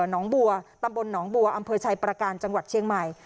น้องบัวตำบลหนองบัวอำเภอชัยประการจังหวัดเชียงใหม่